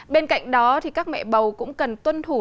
bên cạnh đó các mẹ bầu cũng cần tuân thủ